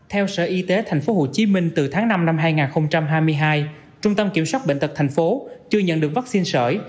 theo sở y tế tp hcm từ tháng năm năm hai nghìn hai mươi hai trung tâm kiểm soát bệnh tật tp hcm chưa nhận được vaccine sởi